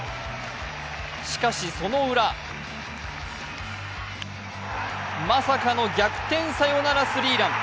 しかし、そのウラまさかの逆転サヨナラスリーラン。